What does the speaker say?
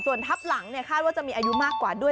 ส่วนทับหลังคาดว่าจะมีอายุมากกว่าด้วย